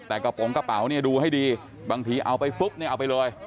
แต่กระโปรงกระเป๋าเนี่ยดูให้ดีบางทีเอาไปปุ๊บเนี่ยเอาไปเลย